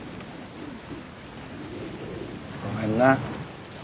ごめんな。